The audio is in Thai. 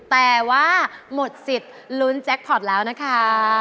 แต่ว่าหมดสิทธิ์ลุ้นแจ็คพอร์ตแล้วนะคะ